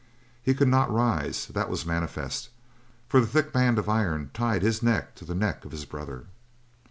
He could not rise; that was manifest, for the thick band of iron tied his neck to the neck of his brother.